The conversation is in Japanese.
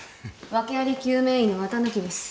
訳あり救命医の綿貫です。